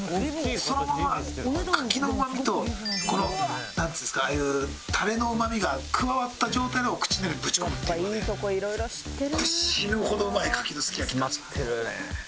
そのまま牡蠣のうまみとこのなんていうんですかああいうタレのうまみが加わった状態のを口の中にぶち込むっていうのはね死ぬほどうまい牡蠣のすき焼き。